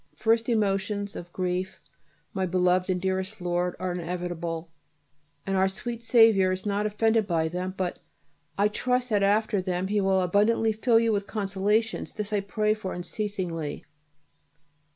First emotions [of grief], my beloved and dearest Lord, are inevitable, and our sweet Saviour is not offended by them. But I trust that after them He will abundantly fill you with consolations; this I pray for unceasingly.